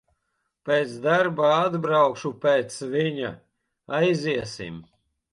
Pēc darba atbraukšu pēc viņa, aiziesim.